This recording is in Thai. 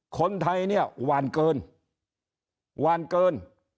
คนไทยหวานเกิน